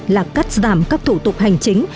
là cắt giảm các thủ tục hành chính